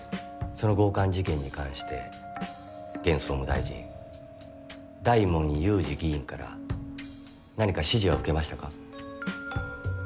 その強姦事件に関して現総務大臣大門雄二議員から何か指示は受けましたか？